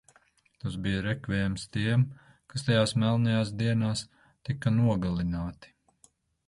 Tas bija rekviēms tiem, kas tajās melnajās dienās tika nogalināti.